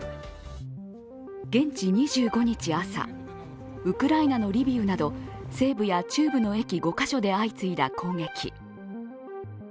現地２５日朝、ウクライナのリビウなど西部や中部の駅５カ所で相次いだ攻撃。